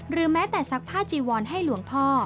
แม้แต่ซักผ้าจีวรให้หลวงพ่อ